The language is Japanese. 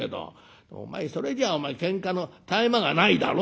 お前それじゃお前けんかの絶え間がないだろ」。